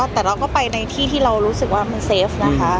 แต่เราก็ไปในที่ที่เรารู้สึกว่ามันเซฟนะคะ